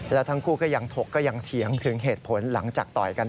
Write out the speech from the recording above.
แล้วทั้งคู่ก็ยังถกก็ยังเถียงถึงเหตุผลหลังจากต่อยกัน